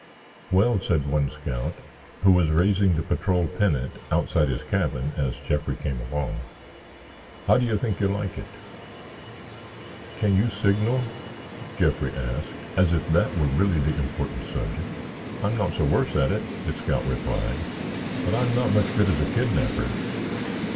"Well," said one scout, who was raising the patrol pennant outside his cabin as Jeffrey came along, "how do you think you like it?" "Can you signal?" Jeffrey asked, as if that were really the important subject. "I'm not so worse at it," the scout replied, "but I'm not much good as a kidnapper."